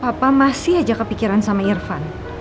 apa masih aja kepikiran sama irfan